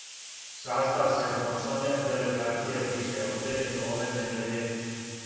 Састав седмочлане делегације биће одређен ове недеље.